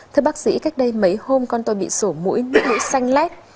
thưa bác sĩ cách đây mấy hôm con tôi bị sổ mũi bị mũi xanh lét